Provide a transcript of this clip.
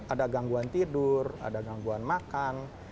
ada gangguan tidur ada gangguan makan